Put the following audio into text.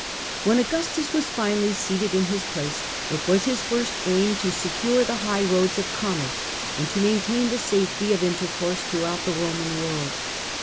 When Augustus was finally seated in his place, it was his first aim to Empire did sccure the highroads of commerce, and to for trade. maintain safety of intercourse throughout the Roman world.